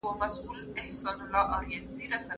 زه پرون ميوې وخوړلې!!